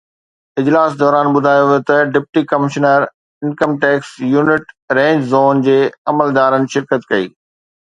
اجلاس دوران ٻڌايو ويو ته deputy commissioner income tax unit range zone جي عملدارن شرڪت ڪئي